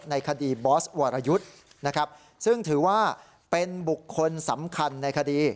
ในคดีบอสวรยุทธ์นะครับซึ่งถือว่าเป็นบุคคลสำคัญในคดี